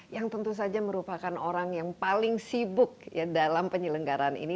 yang tentu saja merupakan orang yang paling sibuk dalam penyelenggaran ini